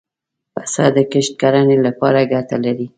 پسه د کښت کرنې له پاره ګټه لري.